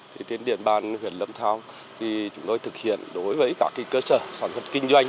thì trên điện bàn huyện lâm thao thì chúng tôi thực hiện đối với cả cái cơ sở sản xuất kinh doanh